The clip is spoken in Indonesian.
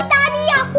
pak siti pak siti